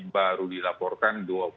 baru dilaporkan dua puluh empat november